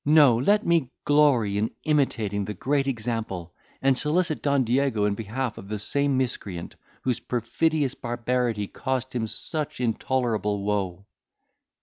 No, let me glory in imitating the great example, and solicit Don Diego in behalf of the same miscreant whose perfidious barbarity cost him such intolerable woe."